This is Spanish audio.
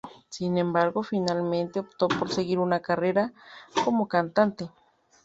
Sin embargo y finalmente optó por seguir una carrera como cantante.